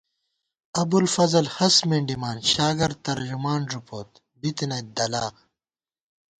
ابُوالفضل ہست مېنڈِمان شاگرد ترجمان ݫُپوت بِتَنَئیت دَلا